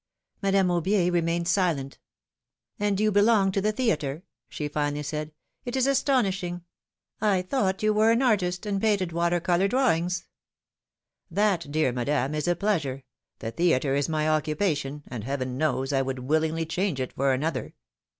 ^^ Madame Aubier remained silent. ^^And you belong to the theatre? she finally said. ^Ht is astonishing ! I thought you w'ere an artist, and painted water color drawings ? That, dear Madame, is a pleasure ; the theatre is my occupation, and Heaven knows I would willingly change it for another.